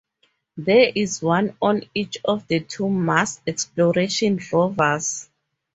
There is one on each of the two Mars Exploration Rovers.